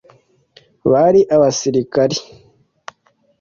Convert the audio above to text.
bari abasirikari